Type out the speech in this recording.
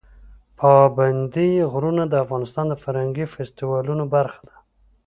پابندي غرونه د افغانستان د فرهنګي فستیوالونو برخه ده.